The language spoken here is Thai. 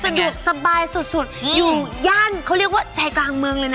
สะดวกสบายสุดสุดอยู่ย่านเขาเรียกว่าใจกลางเมืองเลยนะ